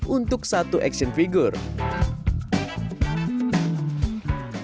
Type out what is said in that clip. untuk satu action figure